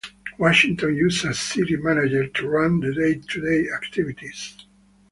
Washington uses a city manager to run the day-to-day activities.